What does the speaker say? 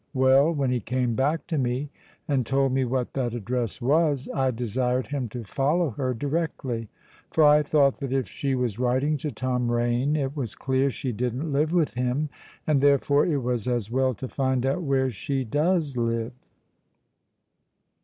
Well, when he came back to me, and told me what that address was, I desired him to follow her directly; for I thought that if she was writing to Tom Rain, it was clear she didn't live with him, and therefore it was as well to find out where she does live."